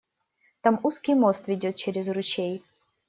Там узкий мост ведет через ручей.